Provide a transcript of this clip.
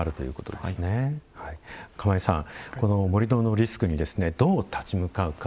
釜井さん、盛土のリスクにどう立ち向かうか。